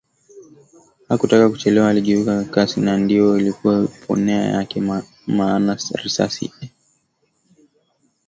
Hakutaka kuchelewa aligeuka kwa kasi na ndio ilikuwa ponea yake maana risasi ilimkosa